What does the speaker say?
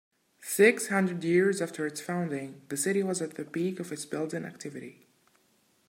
Six hundred years after its founding, the city was at the peak of its building activity.